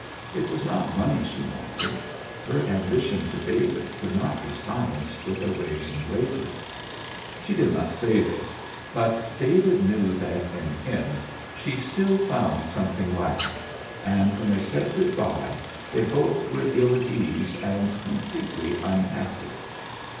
It was not money she wanted. Her ambition for David could not be silenced with a raise in wages. She did not say this, but David knew that in him she still found something lacking, and when they said good by they both were ill at ease and completely unhappy.